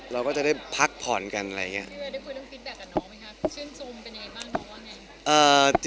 เราก็จะได้พักผ่อนกันอะไรอย่างเงี้ย